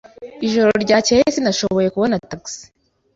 Ijoro ryakeye sinashoboye kubona tagisi.